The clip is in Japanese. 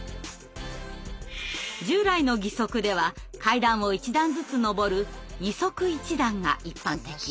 従来の義足では階段を１段ずつ上る「二足一段」が一般的。